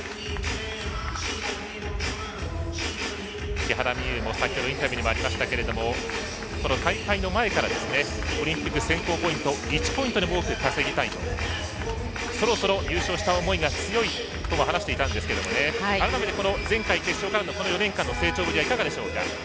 木原美悠も先ほどのインタビューにもありましたけどこの大会の前からオリンピック選考ポイント１ポイントでも多く稼ぎたいとそろそろ優勝したい思いが強いとも話していたんですけど改めて前回、決勝からのこの４年間の成長ぶりはいかがでしょうか。